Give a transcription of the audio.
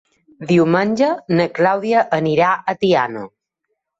Diumenge na Clàudia anirà a Tiana.